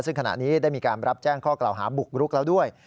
ซึ่งขณะนี้ได้มีการรับแจ้งข้อกล่าวหาบุกรุกแล้วด้วย